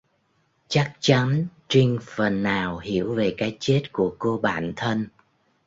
Chắc chắn Trinh phần nào hiểu về cái chết của cô bạn thân